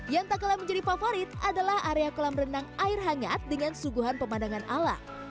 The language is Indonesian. yang tak kalah menjadi favorit adalah area kolam renang air hangat dengan suguhan pemandangan alam